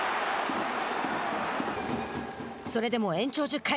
それでも延長１０回。